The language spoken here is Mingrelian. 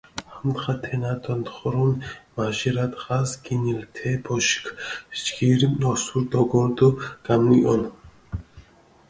ამდღა თენა დოთხორუნ, მაჟირა დღას გინილჷ თე ბოშქ, ჯგირი ოსური დოგორჷ დო გამნიჸონჷ.